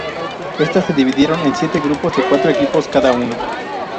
Estas se dividieron en siete grupos de cuatro equipos cada uno.